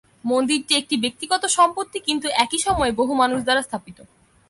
মন্দিরটি একটি ব্যক্তিগত সম্পত্তি কিন্তু একই সময়ে বহু মানুষ দ্বারা স্থাপিত।